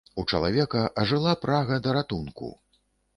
У чалавека ажыла прага да ратунку.